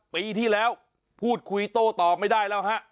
ปีที่แล้วพูดคุยโต้ตอบไม่ได้แล้วฮะ